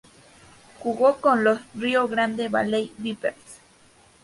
Jugó con los Rio Grande Valley Vipers.